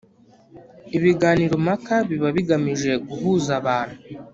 Ibiganiro mpaka biba bigamije guhuza abantu